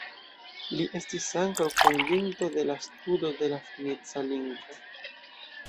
Li estis ankaŭ fondinto de la studo de la fenica lingvo.